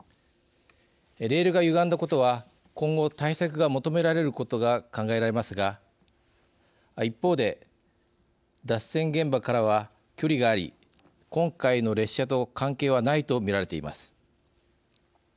レールがゆがんだことは今後、対策が求められることが考えられますが一方で脱線現場からは距離があり今回の列車と関係はないとみられています。